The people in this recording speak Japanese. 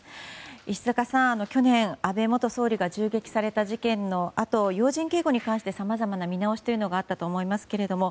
石塚さん、去年、安倍元総理が銃撃された事件のあと要人警護に関してさまざまな見直しがあったと思いますけれども。